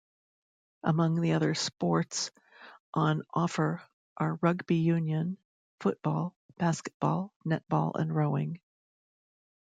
Among the sports on offer are rugby union, football, basketball, netball and rowing.